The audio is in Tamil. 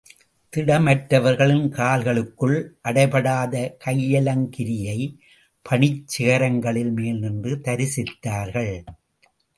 திடமற்றவர்களின் கால்களுக்குள் அடைபடாத கையலங்கிரியைப் பணிச் சிகரங்களின் மேல் நின்று தரிசித்தார்கள்.